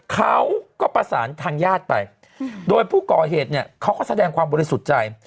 เขาก็ประสานทางญาติไปโดยผู้ก่อเหตุเนี่ยเขาก็แสดงความบริสุทธิ์ใจ